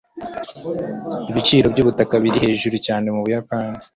Ibiciro byubutaka biri hejuru cyane mubuyapani.